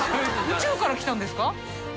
宇宙から来たんですか？